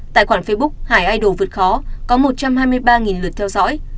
tài khoản facebook hải idol vượt khó có một trăm hai mươi ba lượt theo dõi